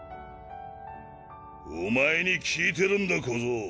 お前に聞いてるんだ小僧。